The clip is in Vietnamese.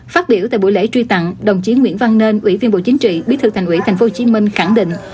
phát biểu tại buổi lễ truy tặng đồng chí nguyễn văn nên ủy viên bộ chính trị bí thư thành ủy tp hcm khẳng định